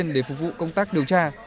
để phục vụ công tác điều tra